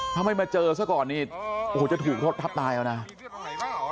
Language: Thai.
ถ้าไม่มาเจอซะก่อนนี่โอ้โหจะถูกรถทับตายเอานะ